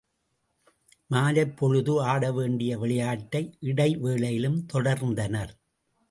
மாலைப்பொழுது ஆடவேண்டிய விளையாட்டை இடைவேளையிலும் தொடர்ந்தனர்.